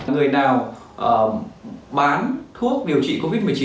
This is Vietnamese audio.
người nào bán thuốc điều trị covid một mươi chín